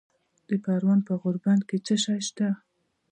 د پروان په غوربند کې څه شی شته؟